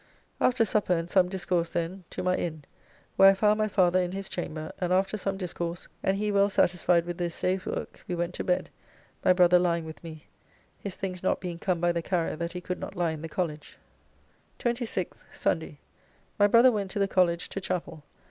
After supper and some discourse then to my Inn, where I found my father in his chamber, and after some discourse, and he well satisfied with this day's work, we went to bed, my brother lying with me, his things not being come by the carrier that he could not lie in the College. 26th (Sunday). My brother went to the College to Chapel.